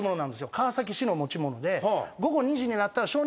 川崎市の持ち物で。